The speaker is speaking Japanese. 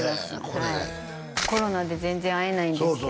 はいコロナで全然会えないんですけど